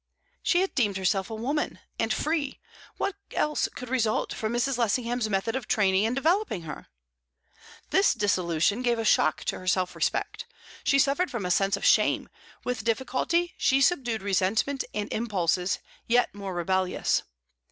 She had deemed herself a woman, and free; what else could result from Mrs. Lessingham's method of training and developing her? This disillusion gave a shock to her self respect; she suffered from a sense of shame; with difficulty she subdued resentment and impulses yet more rebellious.